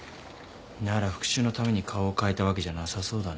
なら復讐のために顔を変えたわけじゃなさそうだな。